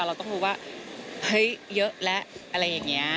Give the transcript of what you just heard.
เราต้องรู้ว่าเฮ้ยเยอะแล้วอะไรอย่างนี้